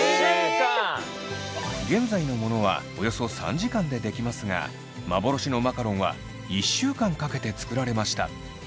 現在のものはおよそ３時間で出来ますが幻のマカロンは１週間かけて作られました。